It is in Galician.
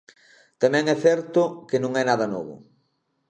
Tamén é certo que non é nada novo.